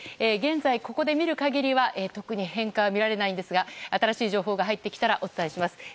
現在、ここで見る限りは特に変化は見られませんが新しい情報が入ってきたらお伝えします。